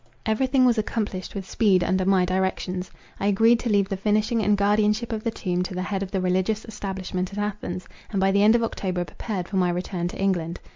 Every thing was accomplished with speed under my directions. I agreed to leave the finishing and guardianship of the tomb to the head of the religious establishment at Athens, and by the end of October prepared for my return to England.